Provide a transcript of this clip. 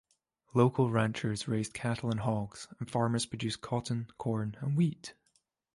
Local ranchers raised cattle and hogs, and farmers produced cotton, corn, and wheat.